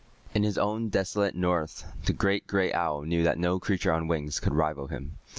In his own desolate north the great gray owl knew that no creature on wings could rival him.